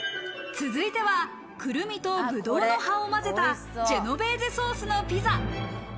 続いてはくるみとぶどうの葉を混ぜたジェノベーゼソースのピザ。